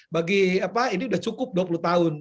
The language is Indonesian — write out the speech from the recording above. bagi apa ini sudah cukup dua puluh tahun